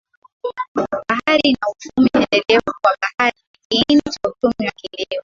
Bahari na uchumi endelevu wa bahari ni kiini cha uchumi wa kileo